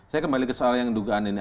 saya kembali ke soal yang dugaan ini